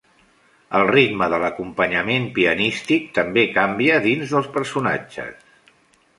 El ritme de l'acompanyament pianístic també canvia dins dels personatges.